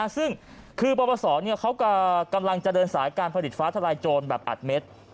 ซึ่งคือปปศเขากำลังจะเดินสายการผลิตฟ้าทลายโจรแบบอัดเม็ด